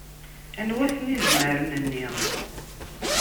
Anwa-ten izmaren-nni?